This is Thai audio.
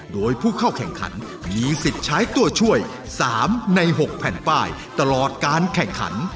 โดยผู้เข้าแข่งขันมีสิทธิ์ใช้ตัวช่วย๓ใน๖แผ่นป้ายตลอดการแข่งขัน